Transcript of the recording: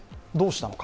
どうしたのか。